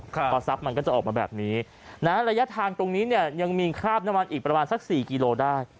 พอทรัพย์มันก็จะออกมาแบบนี้นะระยะทางตรงนี้เนี่ยยังมีคราบน้ำมันอีกประมาณสัก๔กิโลได้